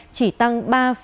chỉ tăng ba sáu mươi một